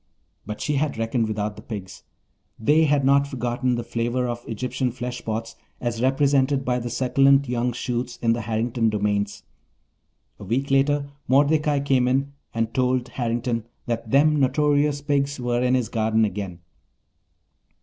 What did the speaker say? But she had reckoned without the pigs. They had not forgotten the flavour of Egyptian fleshpots as represented by the succulent young shoots in the Harrington domains. A week later Mordecai came in and told Harrington that "them notorious pigs" were in his garden again.